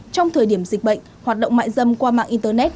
trong thời điểm dịch bệnh hoạt động mại dâm qua mạng internet